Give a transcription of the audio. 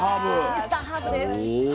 ミスターハーブです。